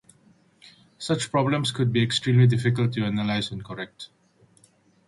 Such problems could be extremely difficult to analyze and correct.